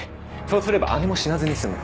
そうすれば姉も死なずに済む。